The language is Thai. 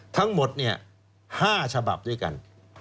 ทั้งหมดเนี่ย๕ฉบับด้วยกัน